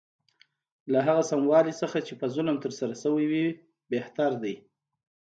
له هغه سموالي نه چې په ظلم ترسره شوی وي بهتر دی.